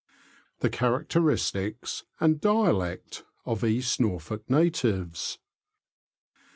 THE CHARACTERISTICS AND DIALECT OF EAST NORFOLK NATIVES.